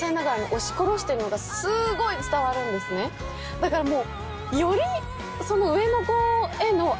だからもう。